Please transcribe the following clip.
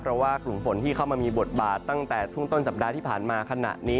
เพราะว่ากลุ่มฝนที่เข้ามามีบทบาทตั้งแต่ช่วงต้นสัปดาห์ที่ผ่านมาขณะนี้